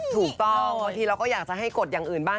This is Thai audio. ถูกต้องบางทีมาอยากจะให้กดอย่างอื่นบ้าง